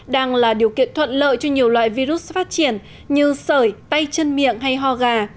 đang là điều kiện thuận lợi cho nhiều loại virus phát triển như sởi tay chân miệng hay ho gà